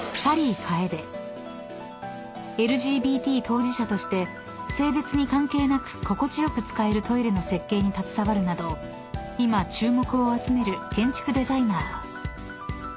［ＬＧＢＴ当事者として性別に関係なく心地良く使えるトイレの設計に携わるなど今注目を集める建築デザイナー］